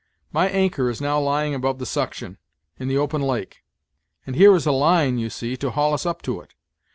My anchor is now lying above the suction, in the open lake; and here is a line, you see, to haul us up to it.